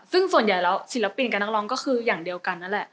ซึ่งส่วนใหญ่แล้วศิลปินกับนักร้องก็คืออย่างเดียวกันนั่นแหละ